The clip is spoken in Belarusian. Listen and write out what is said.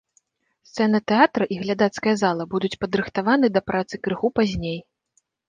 Сцэна тэатра і глядацкая зала будуць падрыхтаваны да працы крыху пазней.